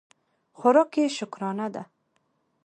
خوراک یې شکرانه ده.